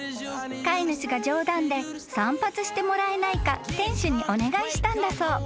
［飼い主が冗談で散髪してもらえないか店主にお願いしたんだそう］